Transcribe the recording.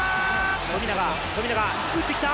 富永、富永、打ってきた。